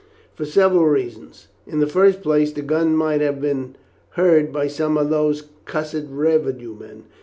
"For several reasons. In the first place, the gun might have been heard by some of those cussed revenue men.